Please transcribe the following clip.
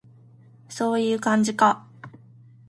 そういう感じか